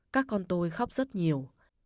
các con tôi khóc rất nhiều